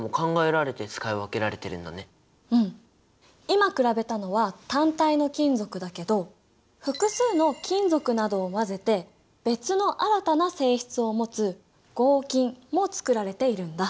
今比べたのは単体の金属だけど複数の金属などを混ぜて別の新たな性質を持つ合金もつくられているんだ。